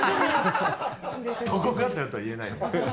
どこがだよとは言えない。